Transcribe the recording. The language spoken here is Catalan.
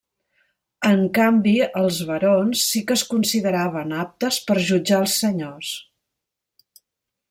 En canvi els barons sí que es consideraven aptes per jutjar els senyors.